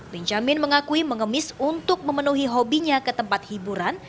benjamin mengakui mengemis untuk memenuhi hobinya ke tempat hiburan